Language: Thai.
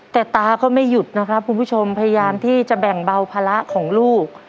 แต่ตาก็ไม่หยุดนะครับคุณผู้ชมพยายามที่จะแบ่งเบาภาระของลูก